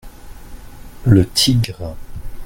Le tigre.